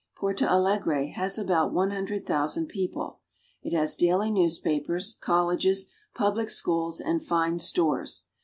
Porto Alegre has about one hundred thousand people. It has daily newspapers, colleges, public schools, and fine stores.